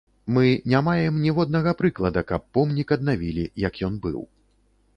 Мы не маем ніводнага прыклада, каб помнік аднавілі як ён быў.